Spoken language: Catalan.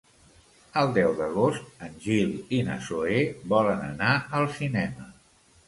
El deu d'agost en Gil i na Zoè volen anar al cinema.